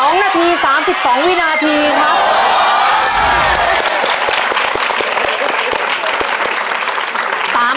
๒นาที๓๒วินาทีครับ